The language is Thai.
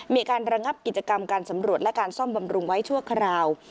มีการระงับกิจกรรมการสำรวจและการซ่อมบำรุงไว้ชั่วคราว